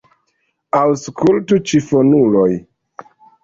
Aŭskultu, ĉifonuloj!